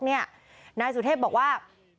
นายสุเทพบอกว่า